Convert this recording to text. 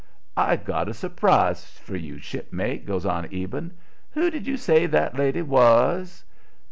"I've got a s'prise for you, shipmate," goes on Eben. "Who did you say that lady was?"